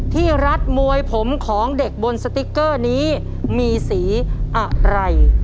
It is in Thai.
รัดมวยผมของเด็กบนสติ๊กเกอร์นี้มีสีอะไร